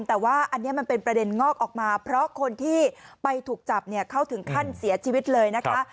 แต่ว่าอันนี้มันเป็นประเด็นงอกออกมาเพราะคนที่ไปถูกจับเนี่ยเขาถึงขั้นเสียชีวิตเลยนะคะ